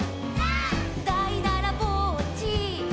「」「だいだらぼっち」「」